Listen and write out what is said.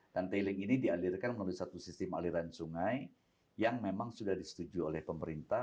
dan tailing ini dialirkan melalui satu sistem aliran sungai yang memang sudah disetujui oleh pemerintah